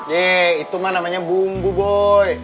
yeh itu mah namanya bumbu boy